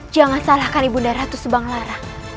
jangan salahkan ibu nda ratu subang lara